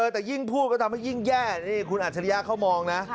แต่ยิ่งพูดก็ทำให้ยิ่งแย่นี่คุณอัจฉริยะเขามองนะ